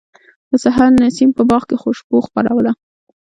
د سحر نسیم په باغ کې خوشبو خپروله.